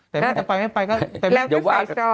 แต่แม่จะไปไม่ไปก็แต่แม่ก็ใส่ซอง